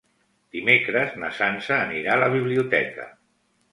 Dimecres na Sança anirà a la biblioteca.